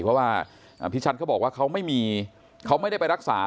เพราะว่าพี่ชันเขาบอกว่าเขาไม่ได้ไปรักษา